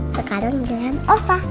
sekarang dengan opa